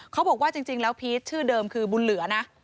เขาบอกว่าจริงแล้วพีชชื่อเดิมคือบุญเหลือนะ